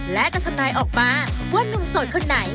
และจะทำนายออกมาว่านุ่มโสดคนไหน